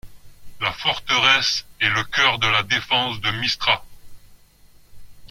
La forteresse est le cœur de la défense de Mistra.